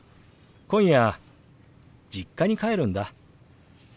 今夜実家に帰るんだ。